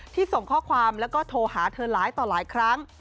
ส่งข้อความแล้วก็โทรหาเธอหลายต่อหลายครั้ง